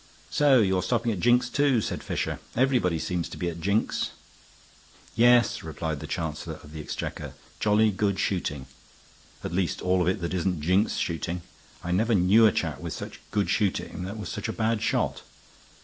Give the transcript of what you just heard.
"So you're stopping at Jink's, too," said Fisher. "Everybody seems to be at Jink's." "Yes," replied the Chancellor of the Exchequer. "Jolly good shooting. At least all of it that isn't Jink's shooting. I never knew a chap with such good shooting that was such a bad shot.